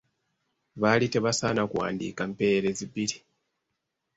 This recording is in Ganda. Baali tebasaana kuwandiika mpeerezi bbiri.